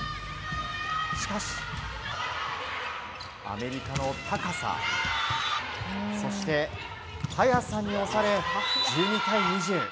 しかし、アメリカの高さそして速さに押され１２対２０。